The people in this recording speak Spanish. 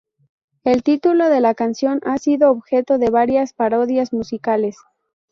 El título de la canción ha sido objeto de varias parodias musicales.